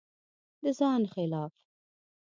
د ځان خلاف